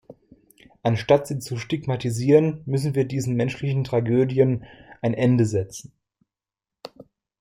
Anstatt sie zu stigmatisieren, müssen wir diesen menschlichen Tragödien ein Ende setzen.